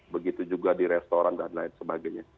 begitu juga di restoran dan lain sebagainya